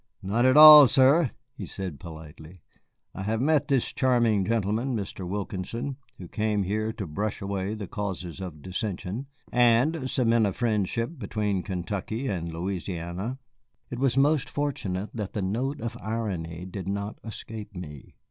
"Not at all, sir," he said politely. "I have met that charming gentleman, Mr. Wilkinson, who came here to brush away the causes of dissension, and cement a friendship between Kentucky and Louisiana." It was most fortunate that the note of irony did not escape me.